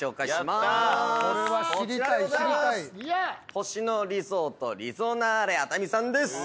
星野リゾートリゾナーレ熱海さんです。